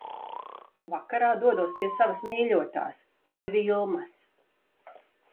Vakarā dodos pie savas mīļotās, pie Vilmas.